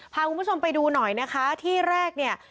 พาคุณผู้ชมไปดูหน่อยนะคะที่แรกเนี่ย